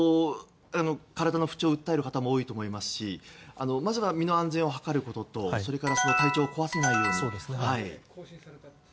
体の不調を訴える人も多いと思いますしまずは身の安全を図ることと体調を壊さないように。